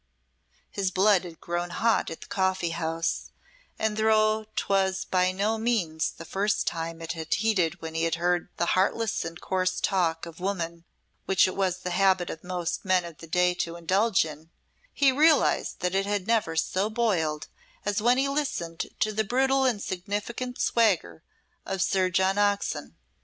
His blood had grown hot at the coffee house, and though 'twas by no means the first time it had heated when he heard the heartless and coarse talk of woman which it was the habit of most men of the day to indulge in, he realised that it had never so boiled as when he listened to the brutal and significant swagger of Sir John Oxon.